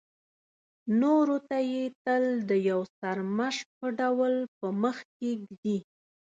نورو ته یې تل د یو سرمشق په ډول په مخکې ږدي.